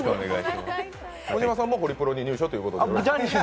小島さんもホリプロに入所ということで？